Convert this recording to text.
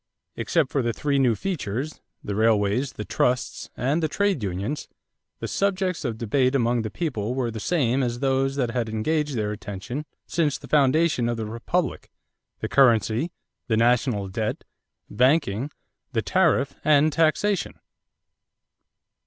Except for three new features the railways, the trusts, and the trade unions the subjects of debate among the people were the same as those that had engaged their attention since the foundation of the republic: the currency, the national debt, banking, the tariff, and taxation.